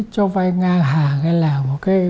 cho vay ngang hàng là một cái